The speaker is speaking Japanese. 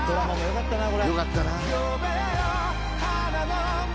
よかったな。